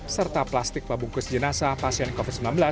serta plastik pembungkus jenazah pasien covid sembilan belas